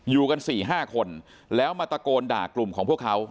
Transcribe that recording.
อยู่กัน๔๕คนแล้วมาตะโกนด่ากลุ่มของพวกเขา